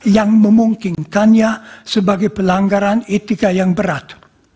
yang memungkinkannya sebagai pelanggaran etika yang berat